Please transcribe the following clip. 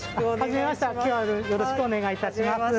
よろしくお願いします。